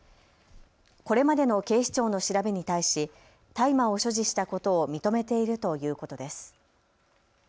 これまでの警視庁の調べに対し大麻を所持したことを認めているということです。